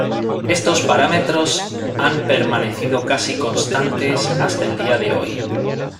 Estos parámetros han permanecido casi constantes hasta el día de hoy.